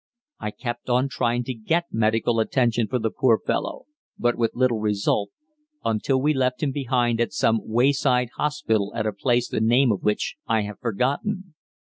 I kept on trying to get medical attention for the poor fellow, but with little result, until we left him behind at some wayside hospital at a place the name of which I have forgotten.